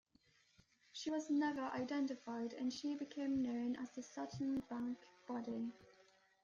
She was never identified and she became known as the Sutton Bank Body.